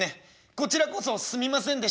「こちらこそすみませんでした。